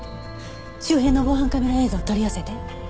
周辺の防犯カメラ映像を取り寄せて。